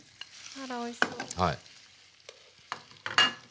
あらおいしそう。